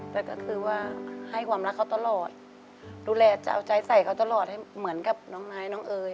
แต่ก็คือว่าให้ความรักเขาตลอดดูแลจะเอาใจใส่เขาตลอดให้เหมือนกับน้องนายน้องเอ๋ย